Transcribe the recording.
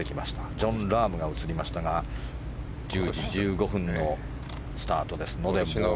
ジョン・ラームが映りましたが１０時１５分のスタートですのでもう。